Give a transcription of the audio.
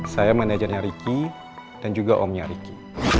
saya manajernya riki dan juga omnya riki